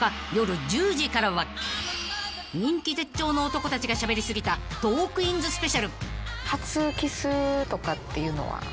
［人気絶頂の男たちがしゃべり過ぎた『トークィーンズ』スペシャル］